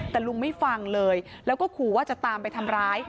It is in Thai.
แต่ลุงไม่ฟังเลยแล้วก็ขู่ว่าจะตามไปทำร้าย